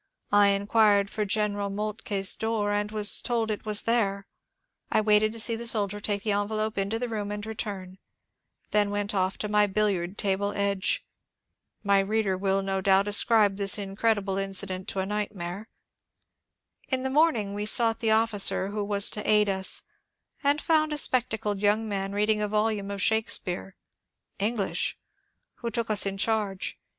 1 inquired for General Moltke's door, and was told it was there. I waited to see the soldier take the envelope into the room and return, then went off to my billiard table edge. (My reader will, no doubt, ascribe this incredible incident to nightmare.) In the morning we sought the officer who was to aid us, and found a spectacled young man reading a volume of Shakespeare (English), who took us in charge.